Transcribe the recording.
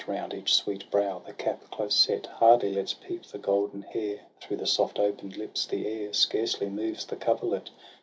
Round each sweet brow the cap close set Hardly lets peep the golden hair; Through the soft open'd lips the air Scarcely moves the coverlet.